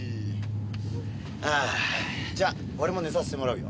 ああじゃあ俺も寝させてもらうよ。